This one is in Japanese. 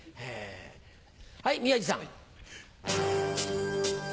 はい宮治さん。